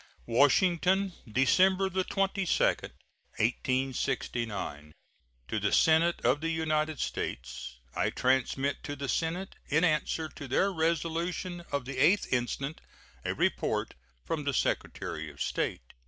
WASHINGTON, December 22, 1869. To the Senate of the United States: I transmit to the Senate, in answer to their resolution of the 8th instant, a report from the Secretary of State.